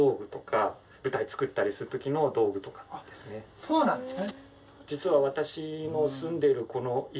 そうなんですね。